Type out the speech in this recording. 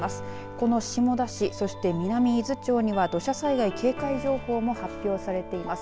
この下田市そして南伊豆町には土砂災害警戒情報も発表されています。